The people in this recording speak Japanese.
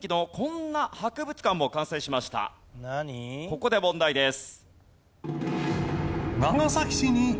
ここで問題です。